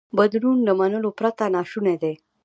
بدلون له منلو پرته ناشونی دی.